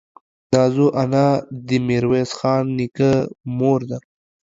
نازو انا دې ميرويس خان نيکه مور ده.